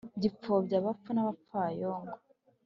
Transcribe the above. gipfobya abapfu n’abapfayongo